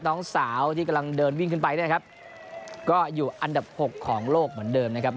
น้องสาวที่กำลังเดินวิ่งขึ้นไปเนี่ยครับก็อยู่อันดับหกของโลกเหมือนเดิมนะครับ